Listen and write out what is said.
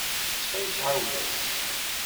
Ttxil-k, ɛawed-as.